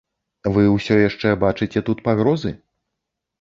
Вы ўсё яшчэ бачыце тут пагрозы?